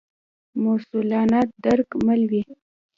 مسوولانه درک مل وي.